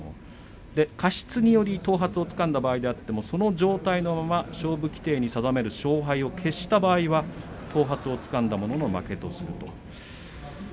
過失により頭髪をつかんだ場合でもその状態のまま、勝負規定に定める勝敗を決した場合は頭髪をつかんだ者の負けとすると。